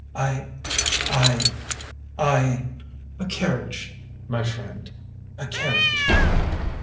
"I I I a carriage, my friend, a carriage."